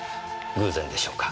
偶然でしょうか？